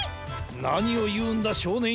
なにをいうんだしょうねんよ。